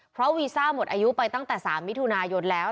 เพราะวีซ่าหมดอายุไปตั้งแต่๓มิถุนายนแล้ว